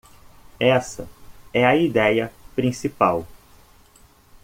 Essa é a ideia principal.